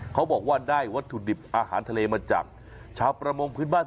เขาบอกว่าได้วัตถุดิบอาหารทะเลมาจากชาวประมงพื้นบ้าน